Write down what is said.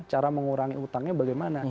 cara mengurangi utangnya bagaimana